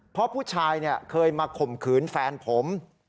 เพราะผู้ชายเคยมาข่มขืนแฟนผม